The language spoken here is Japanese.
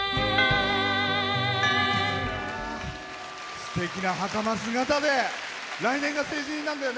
すてきな、はかま姿で来年が成人なんだよね。